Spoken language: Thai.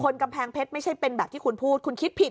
กำแพงเพชรไม่ใช่เป็นแบบที่คุณพูดคุณคิดผิด